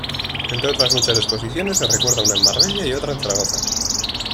Entre otras muchas exposiciones, se recuerda una en Marbella y otra en Zaragoza.